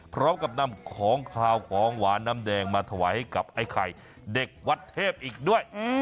พร้อมกับนำของขาวของหวานน้ำแดงมาถวายให้กับไอ้ไข่เด็กวัดเทพอีกด้วย